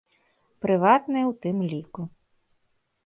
Прыватныя ў тым ліку.